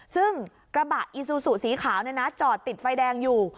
ซึ่งกระบะอีซูซูสีขาวจอดติดไฟแดงอยู่